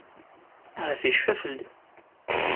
Ahat yecfa fell-i.